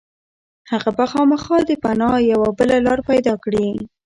هغه به خامخا د پناه یوه بله لاره پيدا کړي.